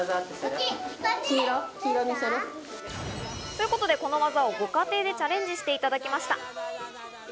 ということで、この技をご家庭でチャレンジしていただきました。